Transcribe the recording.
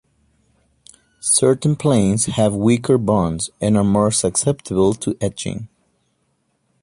Certain planes have weaker bonds and are more susceptible to etching.